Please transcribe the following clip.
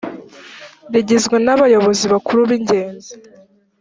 rigizwe n’abayobozi bakuru b’ingenzi .